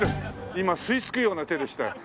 今吸いつくような手でした。